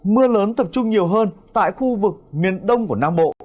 mưa lớn tập trung nhiều hơn tại khu vực miền đông của nam bộ